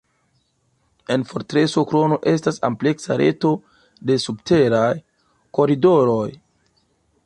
En fortreso Krono estas ampleksa reto de subteraj koridoroj.